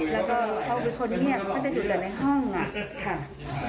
แล้วก็เขาเป็นคนเงียบเขาจะอยู่แต่ในห้องค่ะ